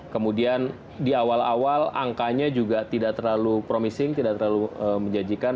kemudian di awal awal angkanya juga tidak terlalu promising tidak terlalu menjanjikan